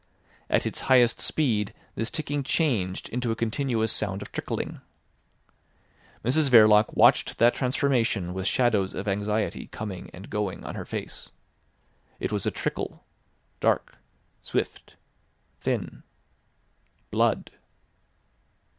At its highest speed this ticking changed into a continuous sound of trickling. Mrs Verloc watched that transformation with shadows of anxiety coming and going on her face. It was a trickle, dark, swift, thin. ... Blood!